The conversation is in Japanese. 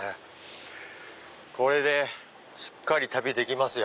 これでしっかり旅できますよ。